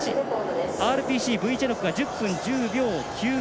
ＲＰＣブィチェノクが１０分１０秒９９。